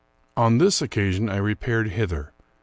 On this occasion I repaired hither.